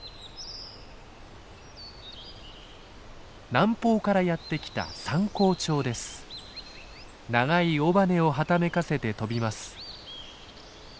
南方からやって来た長い尾羽をはためかせて飛びます。